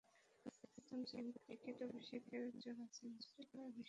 প্রথম শ্রেণির ক্রিকেটে অভিষেকেই জোড়া সেঞ্চুরি করা বিশ্বের প্রথম ব্যাটসম্যান মরিস।